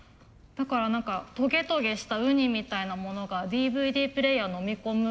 だから何かトゲトゲしたウニみたいなものがＤＶＤプレーヤーのみ込む